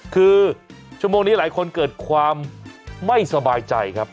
คือชั่วโมงนี้หลายคนเกิดความไม่สบายใจครับ